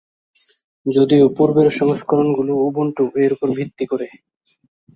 যদিও পূর্বের সংস্করণগুলো উবুন্টু এর উপর ভিত্তি করে।